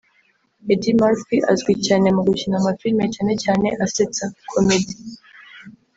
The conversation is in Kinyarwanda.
Eddie Murphy azwi cyane mu gukina amafilime cyane cyane asetsa (comedy)